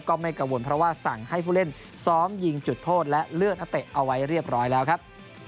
ก็ไม่กังวลเพราะว่าสั่งให้ผู้เล่นซ้อมยิงจุดโทษและเลื่อนนักเตะเอาไว้เรียบร้อยแล้วครับ